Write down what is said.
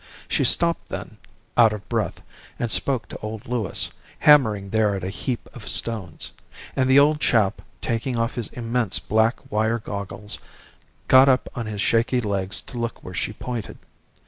She stopped then, out of breath, and spoke to old Lewis, hammering there at a heap of stones; and the old chap, taking off his immense black wire goggles, got up on his shaky legs to look where she pointed.